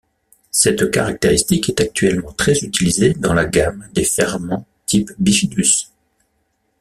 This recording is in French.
Cette caractéristique est actuellement très utilisée dans la gamme des ferments type bifidus.